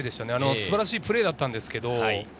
素晴らしいプレーだったんですけれど。